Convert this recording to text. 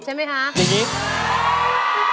ใช่มั้ยคะ